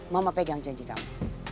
mama pegang janji kamu